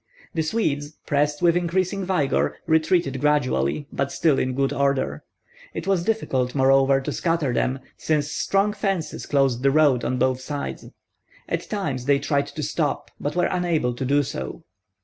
The Swedes, pressed with increasing vigor, retreated gradually, but still in good order. It was difficult moreover to scatter them, since strong fences closed the road on both sides. At times they tried to stop, but were unable to do so.